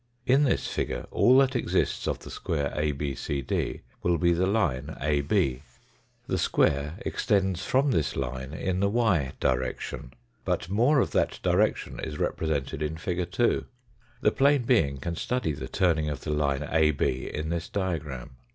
In this figure all that exists of the square ABCD will be the line AB. The square extends from this line in the y direction, but more of that direction is represented in Fig. 2. The plane being can study the turning of the line AB in this diagram.